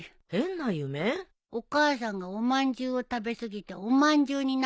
お母さんがおまんじゅうを食べ過ぎておまんじゅうになっちゃう夢。